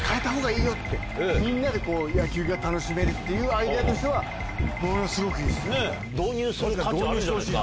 ってみんなで野球が楽しめるっていうアイデアとしてはものすごくいいです。